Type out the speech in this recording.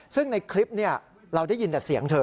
ซึ่งในคลิปเราได้ยินแต่เสียงเธอ